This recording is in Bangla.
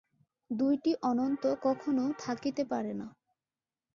দুইটি অনন্ত কখনও থাকিতে পারে না।